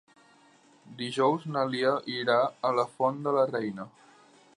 Dijous na Lia irà a la Font de la Reina.